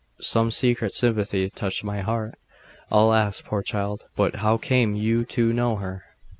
Some secret sympathy touched my heart.... Alas! poor child! But how came you to know her?